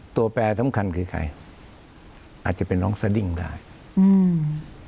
แปรสำคัญคือใครอาจจะเป็นน้องสดิ้งได้อืม